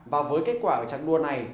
và với kết quả ở trang đua này